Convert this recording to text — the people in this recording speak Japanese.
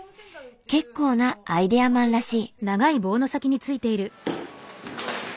結構なアイデアマンらしい。